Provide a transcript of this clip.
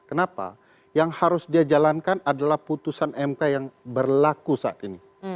kenapa yang harus dia jalankan adalah putusan mk yang berlaku saat ini